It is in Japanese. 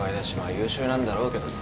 優秀なんだろうけどさ。